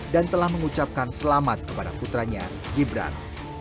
dan telah mengucapkan selamat kepada putranya gibran